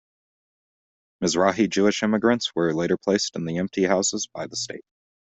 Mizrahi Jewish immigrants were later placed in the empty houses by the state.